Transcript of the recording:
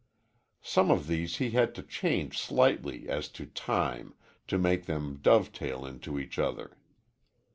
Some of these he had to change slightly as to time to make them dovetail into each other.